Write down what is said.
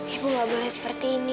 ibu nggak boleh seperti ini